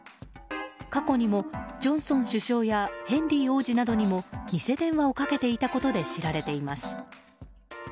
過去にもジョンソン首相やヘンリー王子などにも偽電話をかけていたことで知られています。